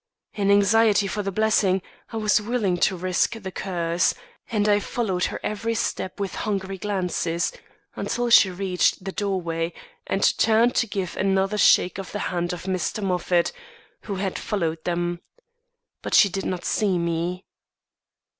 In anxiety for the blessing, I was willing to risk the curse; and I followed her every step with hungry glances, until she reached the doorway and turned to give another shake of the hand to Mr. Moffat, who had followed them. But she did not see me.